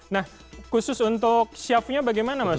nah khusus untuk syafnya bagaimana mas